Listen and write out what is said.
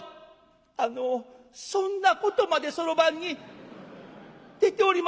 「あのそんなことまでそろばんに出ております？」。